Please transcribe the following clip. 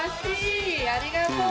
ありがとう。